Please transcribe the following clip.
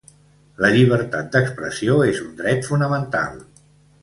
La llibertat d’expressió és un dret fonamental.